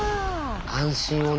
安心をね。